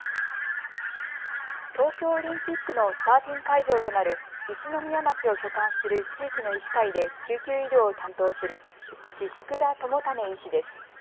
東京オリンピックのサーフィン会場となる一宮町を所管する地域の医師会で救急医療を担当する宍倉朋胤医師です。